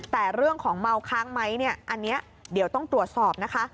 แต่เรื่องของเมาค้างไหมเนี่ยอันนี้เดี๋ยวต้องตรวจสอบนะคะ